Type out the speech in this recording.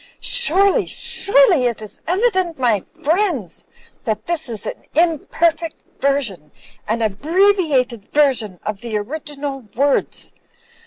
Surely, surely, it is evident, my f riendss, that this is an imperfect version, an abbreviated version, of the original words.